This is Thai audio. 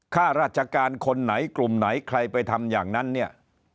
ข้าราชการคนไหนกลุ่มไหนใครไปทำอย่างนั้นเนี่ย